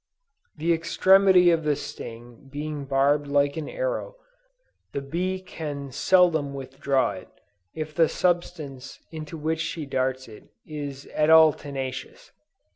The extremity of the sting being barbed like an arrow, the bee can seldom withdraw it, if the substance into which she darts it is at all tenacious.